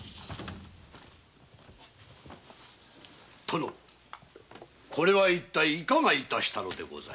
殿これは一体いかが致したのでございますか？